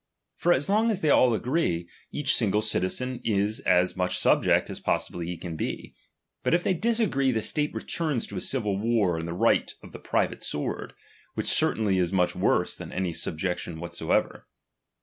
For as long as they all agree, each single citizen is as much subject as possibly he can be : but if they disagree, the state returns to a civil war and the right of the private sword; which certainly is much worse than any subjection what soever.